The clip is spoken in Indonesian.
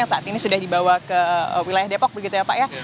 yang saat ini sudah dibawa ke wilayah depok begitu ya pak ya